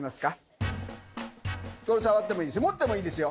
これ触ってもいいです